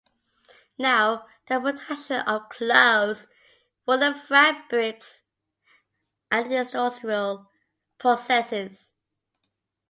Now the production of clothes, wool and fabrics are industrial processes.